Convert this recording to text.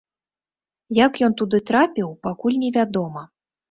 Як ён туды трапіў, пакуль невядома.